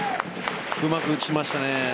うまく打ちましたね。